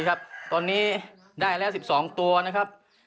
ตอนนี้ได้แล้ว๑๒ตัวนะครับ